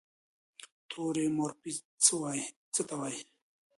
توري مورفي څه ته وایي؟